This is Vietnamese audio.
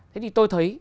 thế thì tôi thấy